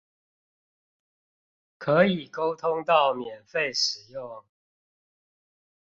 可以溝通到免費使用